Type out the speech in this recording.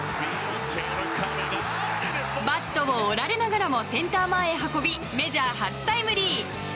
バットを折られながらもセンター前へ運びメジャー初タイムリー。